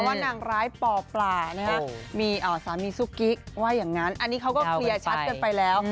นางร้ายปอปลานะฮะมีสามีซุกิ๊กว่าอย่างนั้นอันนี้เขาก็เคลียร์ชัดกันไปแล้ว